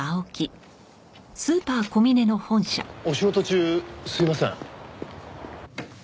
お仕事中すいません。